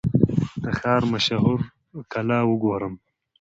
د ښار مشهوره کلا وګورم.